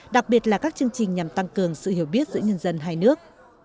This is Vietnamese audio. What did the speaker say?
đặc biệt là các chương trình nhằm tăng cường sự hiểu biết giữa nhân dân hai nước